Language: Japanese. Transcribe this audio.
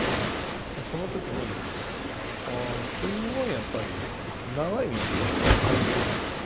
その時にすごいやっぱり長い道を通ってくるんですよ。